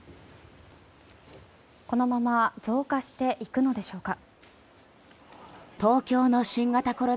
このまま増加していくのでしょうか。